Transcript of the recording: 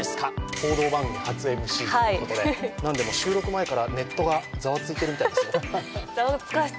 報道番組初ＭＣということではい何でも収録前からネットがザワついてるみたいですよ